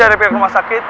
kami dari pihak rumah sakit